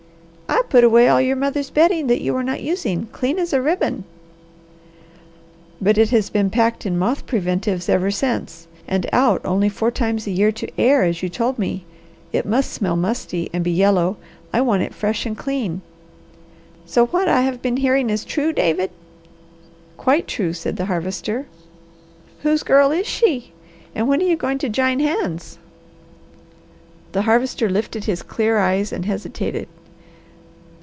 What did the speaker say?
"I put away all your mother's bedding that you were not using, clean as a ribbon." "But it has been packed in moth preventives ever since and out only four times a year to air, as you told me. It must smell musty and be yellow. I want it fresh and clean." "So what I been hearing is true, David?" "Quite true!" said the Harvester. "Whose girl is she, and when are you going to jine hands?" The Harvester lifted his clear eyes and hesitated.